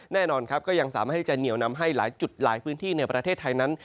แน่นอนครับก็ยังสามารถที่จะเหนียวนำให้หลายจุดหลายพื้นที่ในประเทศไทยนั้น